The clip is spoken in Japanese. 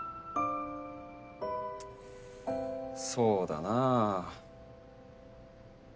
そうだなあ。